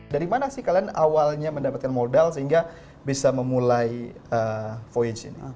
dari mana sih kalian awalnya mendapatkan modal sehingga bisa memulai voice ini